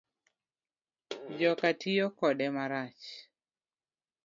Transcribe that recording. Joka tiyo kode marach